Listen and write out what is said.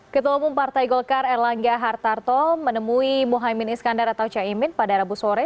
ketua umum partai golkar erlangga hartarto menemui muhyiddin iskandar atau caimin pada rabu sore